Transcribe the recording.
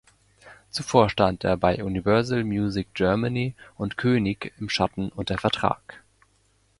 Zuvor stand er bei Universal Music Germany und König im Schatten unter Vertrag.